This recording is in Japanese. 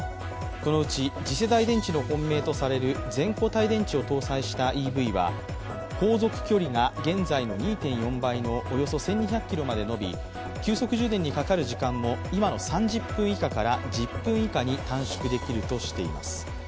このうち次世代電池の本命とされる全固体電池を搭載したＥＶは航続距離が現在の２．４倍のおよそ１２００ｋｍまで延び急速充電にかかる時間も今の３０分以下から、１０分以下に短縮できるとしています。